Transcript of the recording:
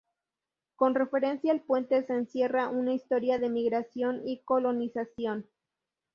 Con referencia al puente se encierra una historia de migración y colonización.